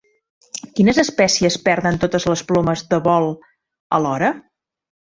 Quines espècies perden totes les plomes de vol alhora?